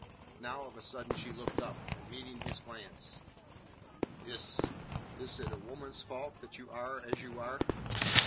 Now, of a sudden, she looked up, and meeting his glance: "Is is it a woman's fault that you are as you are?"